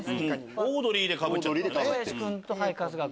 オードリーでかぶっちゃったのね。